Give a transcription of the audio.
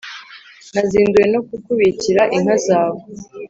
«nazinduwe no kukubikira inka zawe,